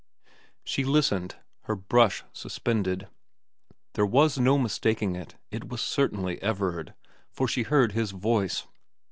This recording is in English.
xxx VERA 337 She listened, her brush suspended. There was no mistaking it : it was certainly Everard, for she heard his voice.